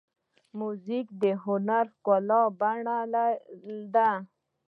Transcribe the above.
موزیک د هنر ښکلې بڼه ده.